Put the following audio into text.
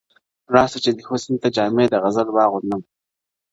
راسه چي دي حسن ته جامي د غزل واغوندم,